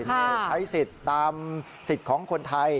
ใช้สิทธิ์ตามสิทธิ์ของคนไทย